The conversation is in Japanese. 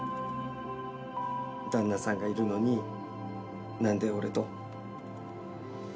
旦那さんがいるのに何で俺と？